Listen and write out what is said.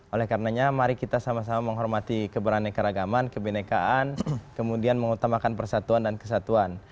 oleh karenanya mari kita sama sama menghormati keberani keragaman kebenekaan kemudian mengutamakan persatuan dan kesatuan